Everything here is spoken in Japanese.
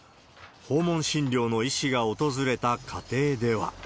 訪問診療の医師が訪れた家庭では。